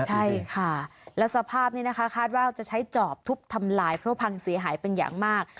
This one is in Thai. ใช่ค่ะและสภาพนี้นะคะคาดว่าจะใช้จอบทุบทำลายเพราะพังเสียหายเป็นอย่างมาก